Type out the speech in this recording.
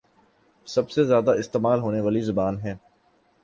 سب سے زیادہ استعمال ہونے والی زبان ہے